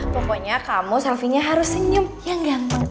pokoknya kamu selfie nya harus senyum yang gampang